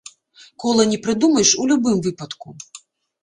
Кола не прыдумаеш у любым выпадку.